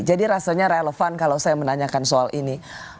jadi rasanya relevan kalau saya menanyakan soal ini